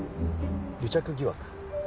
癒着疑惑？